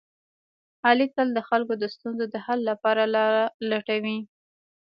علي تل د خلکو د ستونزو د حل لپاره لاره لټوي.